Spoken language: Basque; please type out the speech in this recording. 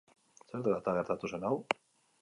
Zer dela eta gertatu zen hau?